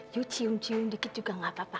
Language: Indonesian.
you cium cium dikit juga gak apa apa